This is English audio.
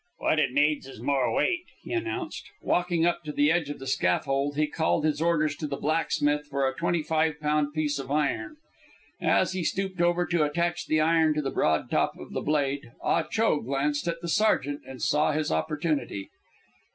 "What it needs is more weight," he announced. Walking up to the edge of the scaffold, he called his orders to the blacksmith for a twenty five pound piece of iron. As he stooped over to attach the iron to the broad top of the blade, Ah Cho glanced at the sergeant and saw his opportunity.